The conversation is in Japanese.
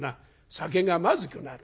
酒がまずくなる。